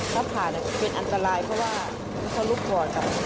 ถ้าผ่านเป็นอันตรายเพราะว่าเขาลุกบอด